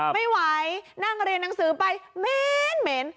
ไม่ไหวนั่งเรียนหนังสือไปเหม็น